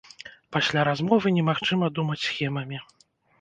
Пасля размовы немагчыма думаць схемамі.